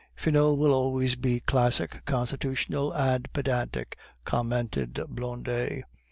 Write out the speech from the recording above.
"Finot will always be classic, constitutional, and pedantic," commented Blondet.